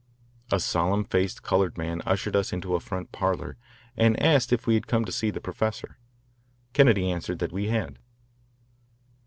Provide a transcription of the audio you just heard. A solemn faced coloured man ushered us into a front parlour and asked if we had come to see the professor. Kennedy answered that we had.